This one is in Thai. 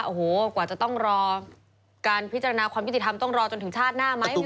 โอ้โหกว่าจะต้องรอการพิจารณาความยุติธรรมต้องรอจนถึงชาติหน้าไหม